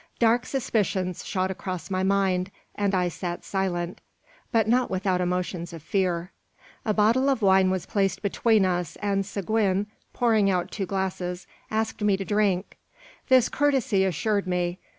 Dark suspicions shot across my mind, and I sat silent, but not without emotions of fear. A bottle of wine was placed between us, and Seguin, pouring out two glasses, asked me to drink. This courtesy assured me.